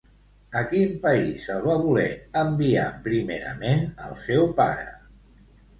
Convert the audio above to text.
A quin país el va voler enviar primerament el seu pare?